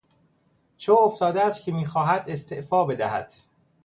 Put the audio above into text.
چو افتاده است که میخواهد استعفا بدهد.